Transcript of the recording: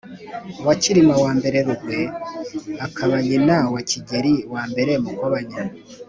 wa cyilima i rugwe akaba nyina wa kigeli i mukobanya